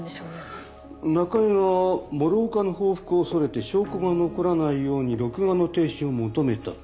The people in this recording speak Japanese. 中江が諸岡の報復を恐れて証拠が残らないように録画の停止を求めたと。